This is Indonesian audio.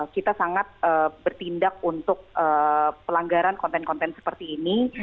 kita sangat bertindak untuk pelanggaran konten konten seperti ini